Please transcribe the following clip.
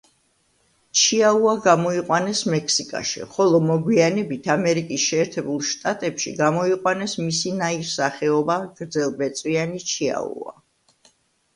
ჩიუაუა გამოიყვანეს მექსიკაში, ხოლო მოგვიანებით ამერიკის შეერთებულ შტატებში გამოიყვანეს მისი ნაირსახეობა გრძელბეწვიანი ჩიუაუა.